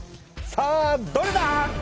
さあどれだ？